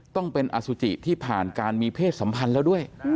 ต้องเป็นอสุจิที่ผ่านการมีเพศสัมพันธ์แล้วด้วย